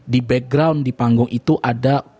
di background di panggung itu ada